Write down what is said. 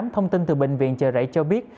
thông tin từ bệnh viện chợ rẫy cho biết